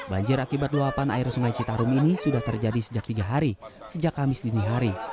banjir akibat luapan air sungai citarum ini sudah terjadi sejak tiga hari sejak kamis dini hari